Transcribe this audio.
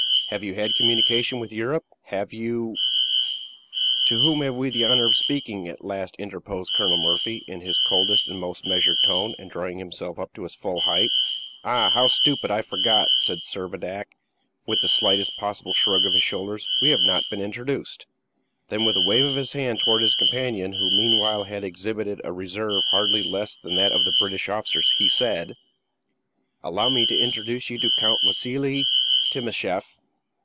Have you had communications with Europe? Have you " "To whom have we the honor of speaking?" at last interposed Colonel Murphy, in the coldest and most measured tone, and drawing himself up to his full height. "Ah! how stupid! I forgot," said Servadac, with the slightest possible shrug of the shoulders; "we have not been introduced." Then, with a wave of his hand towards his companion, who meanwhile had exhibited a reserve hardly less than that of the British officers, he said: "Allow me to introduce you to Count Wassili Timascheff."